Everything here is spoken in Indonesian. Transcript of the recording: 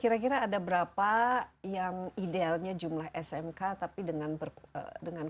kira kira ada berapa yang idealnya jumlah smk tapi dengan